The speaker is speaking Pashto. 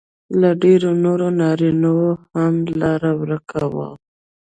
له ډېرو نورو نارینهو هم لار ورکه ده